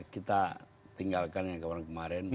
kita tinggalkan yang kemarin kemarin